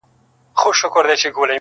o د دوست سره دوستي، د ښمن سره مدارا!